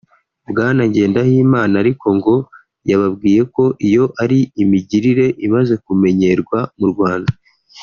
Bwana Ngendahimana ariko ngo yababwiye ko iyo ari imigirire imaze kumenyerwa mu Rwanda